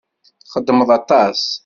Txeddmeḍ aṭas.